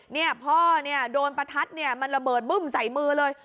เนี่ยพ่อเนี่ยโดนประทัดเนี่ยมันระเบิดบึ้มใส่มือเลย